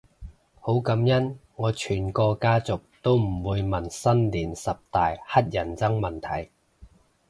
好感恩我全個家族都唔會問新年十大乞人憎問題